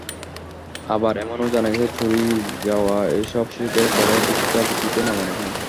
আবার এমনও জানা গেছে, চুরি যাওয়া এসব শিশুদের পরে ভিক্ষাবৃত্তিতে নামানো হয়।